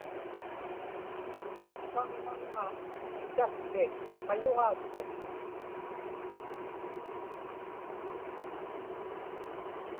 paŋmaŋŋa isakki mayuġauttat